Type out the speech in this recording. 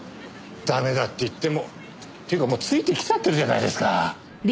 ダメだって言ってもっていうかもうついてきちゃってるじゃないですか！